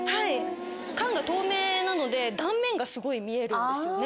缶が透明なので断面がすごい見えるんですよね。